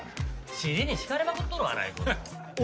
尻に敷かれまくっとるわな郁夫さん。